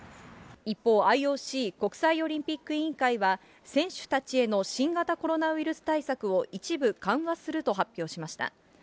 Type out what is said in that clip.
一方、ＩＯＣ・国際オリンピック委員会は、選手たちへの新型コロナウイルス対策を一部緩和すると発表しました。